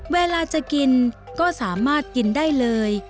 เวลาจะกินก็สามารถกินได้เลย